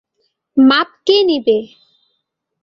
মাপ কে নিবে?